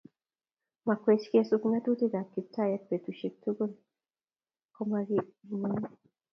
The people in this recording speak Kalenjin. Makwech kesup ng'atutik ab Kiptayat betusiek tukul kumaking'uny